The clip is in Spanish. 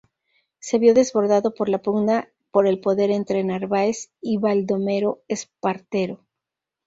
Se vio desbordado por la pugna por el poder entre Narváez y Baldomero Espartero.